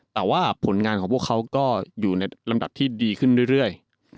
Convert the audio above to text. แต่ว่าผลงานของพวกเขาก็อยู่ในลำดับที่ดีขึ้นเรื่อย